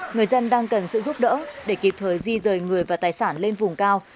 người dân đang cần sự giúp đỡ để kịp thời di rời người và tài sản lên vùng cao